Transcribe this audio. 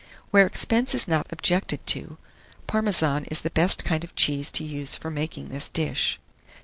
Where expense is not objected to, Parmesan is the best kind of cheese to use for making this dish.